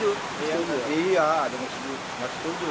iya gak setuju